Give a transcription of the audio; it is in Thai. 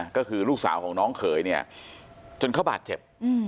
ก็คือลูกสาวของน้องเขยเนี่ยจนเขาบาดเจ็บ